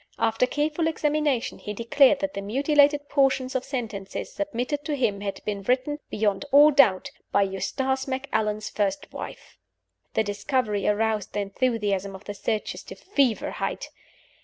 After careful examination, he declared that the mutilated portions of sentences submitted to him had been written, beyond all doubt, by Eustace Macallan's first wife! This discovery aroused the enthusiasm of the searchers to fever height.